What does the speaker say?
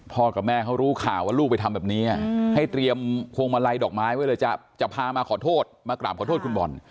กับแม่เขารู้ข่าวว่าลูกไปทำแบบนี้ให้เตรียมพวงมาลัยดอกไม้ไว้เลยจะพามาขอโทษมากราบขอโทษคุณบอล